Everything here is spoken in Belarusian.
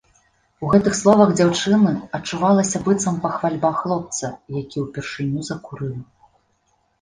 У гэтых словах дзяўчыны адчувалася быццам пахвальба хлопца, які ўпершыню закурыў.